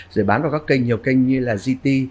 rồi bán vào các kênh nhiều kênh như là gt